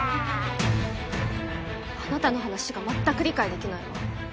あなたの話が全く理解できないわ。